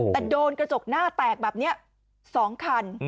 แต่โดนกระจกหน้าแตกแบบนี้๒คัน